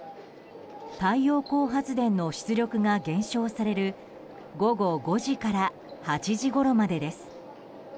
太陽光発電の出力が減少される午後５時から８時ごろまでです。